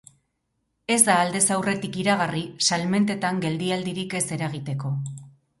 Ez da aldez aurretik iragarri salmentetan geldialdirik ez eragiteko.